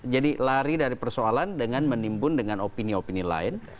jadi lari dari persoalan dengan menimbun dengan opini opini lain